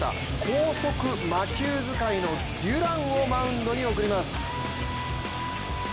高速魔球使いのデュランをマウンドに送ります。